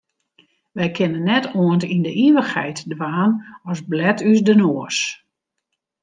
Wy kinne net oant yn de ivichheid dwaan as blet ús de noas.